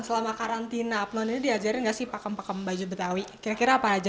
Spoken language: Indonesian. selama karantina plon ini diajarin kasih pakem pakem baju betawi kira kira apa aja